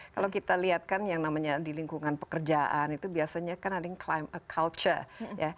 kalau kita lihat kan yang namanya di lingkungan pekerjaan itu biasanya kan ada yang clima aculture